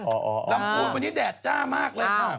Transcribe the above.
ลำพูนวันนี้แดดจ้ามากเลยค่ะ